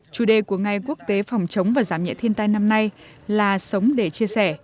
chủ đề của ngày quốc tế phòng chống và giảm nhẹ thiên tai năm nay là sống để chia sẻ